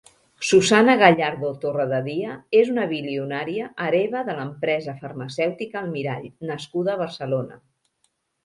Susana Gallardo Torrededia és una bilionària, hereva de l'empresa farmacèutica Almirall nascuda a Barcelona.